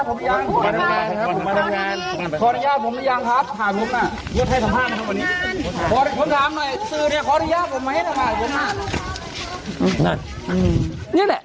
กรมป้องกันแล้วก็บรรเทาสาธารณภัยนะคะ